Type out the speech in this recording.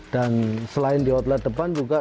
dan selain di outlet depan juga